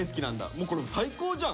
もうこれ最高じゃん。